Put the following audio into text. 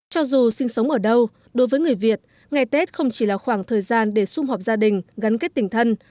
cho dù sinh sống ở đâu đối với người việt ngày tết không chỉ là khoảng thời gian để xung họp gia đình gắn kết tình thân